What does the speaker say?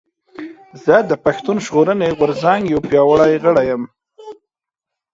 زه د پشتون ژغورنې غورځنګ يو پياوړي غړی یم